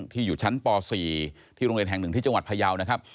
อยู่ชั้นป๔ที่โรงเรียนแห่งหนึ่งที่จังหวัดพยาวนะครับ